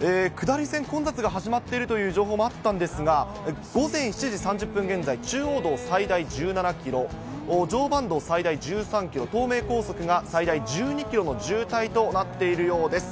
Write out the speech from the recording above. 下り線、混雑が始まっているという情報もあったんですが、午前７時３０分現在、中央道、最大１７キロ、常磐道最大１３キロ、東名高速が最大１２キロの渋滞となっているようです。